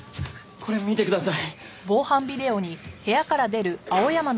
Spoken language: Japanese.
これ見てください。